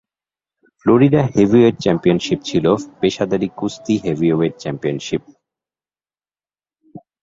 Florida heavyweight championship ছিল পেশাদারি কুস্তি হেভিওয়েট চ্যাম্পিয়নশিপ।